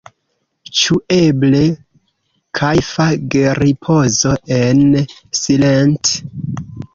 Ĉu eble kajfa geripozo en silent?